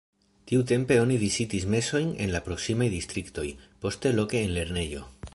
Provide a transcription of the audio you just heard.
Tiutempe oni vizitis mesojn en la proksimaj distriktoj, poste loke en lernejo.